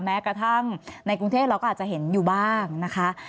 แม้กระทั่งในกรุงเทพเราก็อาจจะเห็นอยู่บ้างนะคะ